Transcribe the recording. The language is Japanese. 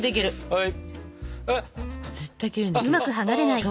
はい！